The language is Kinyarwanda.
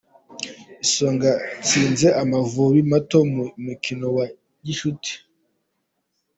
Isonga yatsinze Amavubi mato mu mukino wa gicuti